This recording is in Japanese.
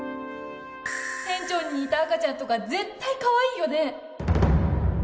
店長に似た赤ちゃんとか絶対かわいいよね